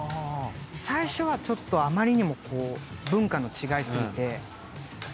最初はちょっとあまりにもこう文化の違い過ぎて。